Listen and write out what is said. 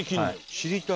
「知りたい！」